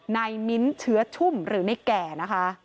มิ้นเชื้อชุ่มหรือในแก่นะคะ